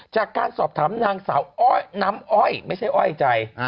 จากการสอบถามนางสาวอ้อยน้ำอ้อยไม่ใช่อ้อยใจ